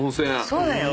そうだよ。